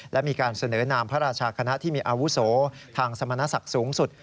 และมีการเสนอนามพระราชาคณะที่มีอาวุโสทางสมณศักดิ์สูงสุด